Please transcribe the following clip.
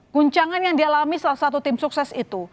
guncangan yang dialami salah satu tim sukses itu